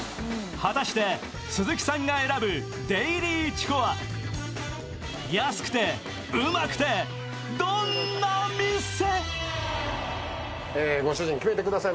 果たして鈴木さんが選ぶデイリーチコは安くてウマくてどんな店？